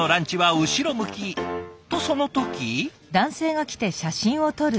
とその時。